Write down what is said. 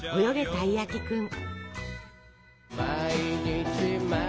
たいやきくん」。